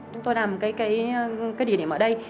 chúng tôi làm một cái địa điểm ở đây